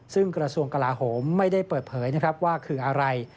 ซึ่งกระทรวงกลาโหมไม่ได้เปิดเผยนะครับว่าคืออะไร